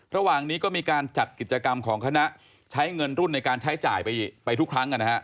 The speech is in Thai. ระหว่างนี้ก็มีการจัดกิจกรรมของคณะใช้เงินรุ่นในการใช้จ่ายไปทุกครั้ง